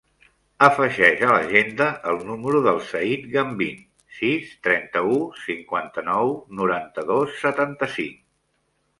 Afegeix a l'agenda el número del Zayd Gambin: sis, trenta-u, cinquanta-nou, noranta-dos, setanta-cinc.